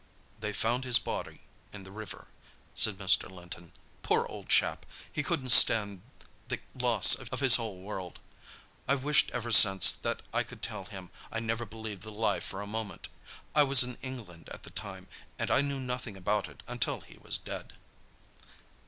"They found his body in the river," said Mr. Linton. "Poor old chap, he couldn't stand the loss of his whole world. I've wished ever since that I could tell him I never believed the lie for a moment. I was in England at the time, and I knew nothing about it until he was dead."